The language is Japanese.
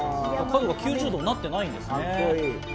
９０度になってないんです。